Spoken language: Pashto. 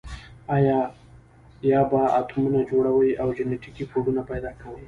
یا به اتمونه جوړوي او جنټیکي کوډونه پیدا کوي.